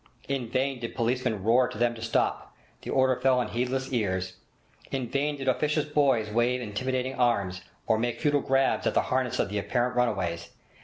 In vain did policemen roar to them to stop—the order fell on heedless ears. In vain did officious boys wave intimidating arms, or make futile grabs at the harness of the apparent runaways.